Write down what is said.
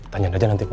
tanyain aja nanti pak